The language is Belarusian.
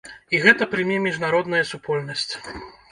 І гэта прыме міжнародная супольнасць.